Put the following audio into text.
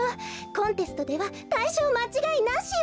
コンテストではたいしょうまちがいなしよ。